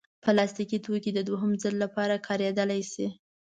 پلاستيکي توکي د دوهم ځل لپاره کارېدلی شي.